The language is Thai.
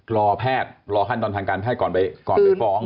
รอแพทย์รอขั้นตอนทางการแพทย์ก่อนไปฟ้อง